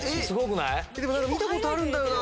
見たことあるんだよな。